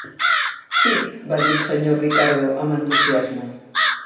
"Sí", va dir el senyor Ricardo amb entusiasme.